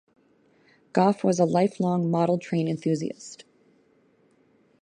Goff was a lifelong model train enthusiast.